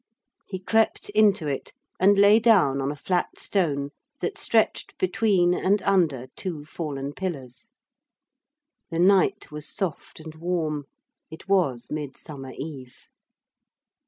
He crept into it, and lay down on a flat stone that stretched between and under two fallen pillars. The night was soft and warm; it was Midsummer Eve.